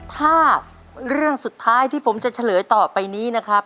ถ้าเรื่องสุดท้ายที่ผมจะเฉลยต่อไปนี้นะครับ